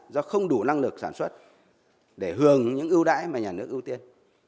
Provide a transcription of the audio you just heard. do không đủ năng lực sản xuất để hưởng những ưu đãi mà nhà nước ưu tiên